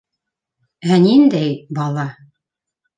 Ә ниндәй... бала?!